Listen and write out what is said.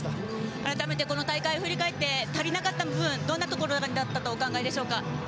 改めて、この大会振り返って足りなかった部分どんなところだったかとお考えでしょうか？